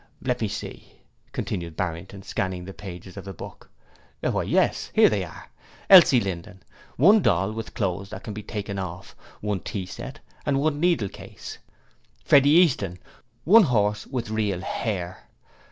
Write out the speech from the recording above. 'Let me see,' continued Barrington, scanning the pages of the book, 'Why, yes, here they are! Elsie Linden, one doll with clothes that can be taken off, one tea set, one needlecase. Freddie Easton, one horse with real hair.